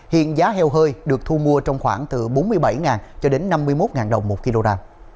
hiện giá heo hơi được thu mua trong khoảng từ bốn mươi bảy cho đến năm mươi một đồng một kg